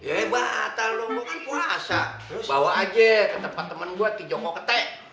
hebat aku kan puasa bawa aja ke temen gue ke joko kete